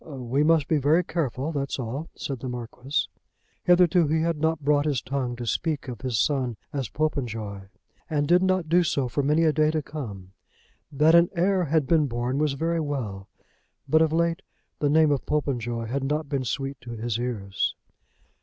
"We must be very careful that's all," said the Marquis. Hitherto he had not brought his tongue to speak of his son as Popenjoy, and did not do so for many a day to come. That an heir had been born was very well; but of late the name of Popenjoy had not been sweet to his ears.